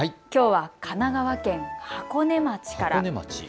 きょうは神奈川県箱根町から。